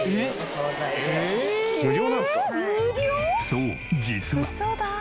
そう実は。